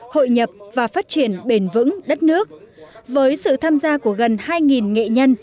hội nhập và phát triển bền vững đất nước với sự tham gia của gần hai nghệ nhân